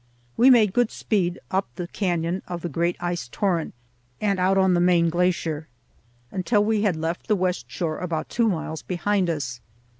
We made good speed up the cañon of the great ice torrent, and out on the main glacier until we had left the west shore about two miles behind us.